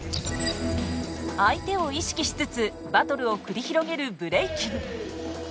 相手を意識しつつバトルを繰り広げるブレイキン。